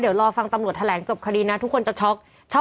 เดี๋ยวรอฟังตำรวจแถลงจบคดีนะทุกคนจะช็อก